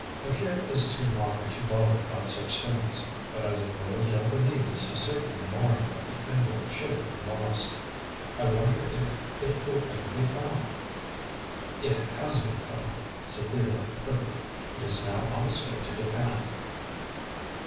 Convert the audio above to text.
Akira is too modern to bother about such things. But as a loyal Japanese, he certainly mourned that the emerald should have been lost. I wonder if it will ever be found?" "It has been found," said Theodore quickly, "and is now on its way to Japan."